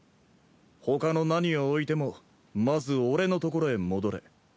他の何をおいてもまず俺のところへ戻れ。